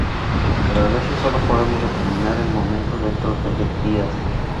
Pero a veces solo podemos determinar el momento dentro de días".